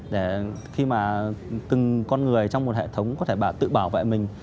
để khi mà từng con người trong một hệ thống có thể bảo tự bảo vệ mình